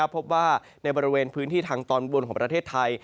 พบว่าในบริเวณพื้นที่ทางตอนบนของประเทศไทย